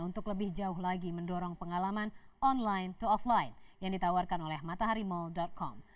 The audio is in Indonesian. untuk lebih jauh lagi mendorong pengalaman online to offline yang ditawarkan oleh mataharimall com